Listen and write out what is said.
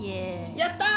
やった！